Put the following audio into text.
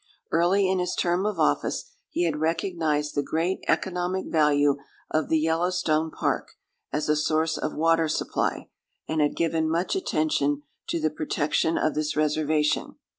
Early in his term of office he had recognized the great economic value of the Yellowstone Park as a source of water supply, and had given much attention to the protection of this reservation.